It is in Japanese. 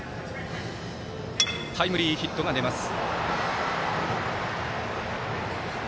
タイムリーヒットが出ます。